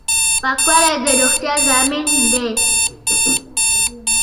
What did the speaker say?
پاکوالی د روغتیا ضامن دی.